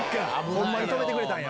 ホンマに止めてくれたんや。